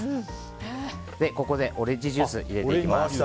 ここでオレンジジュース入れていきます。